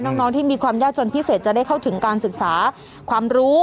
น้องที่มีความยากจนพิเศษจะได้เข้าถึงการศึกษาความรู้